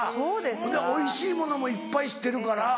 ほんでおいしいものもいっぱい知ってるから。